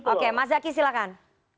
oke mas zaky silahkan